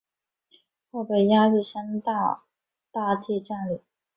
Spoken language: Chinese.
后被亚历山大大帝占领。